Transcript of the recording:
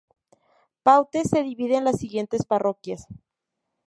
Paute se divide en las siguientes parroquias.